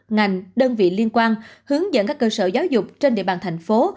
ngành đơn vị liên quan hướng dẫn các cơ sở giáo dục trên địa bàn thành phố